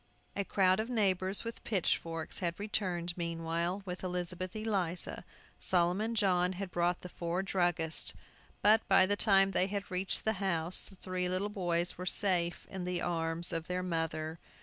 A crowd of neighbors, with pitchforks, had returned meanwhile with Elizabeth Eliza. Solomon John had brought four druggists. But, by the time they had reached the house, the three little boys were safe in the arms of their mother!